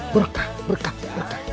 berkah berkah berkah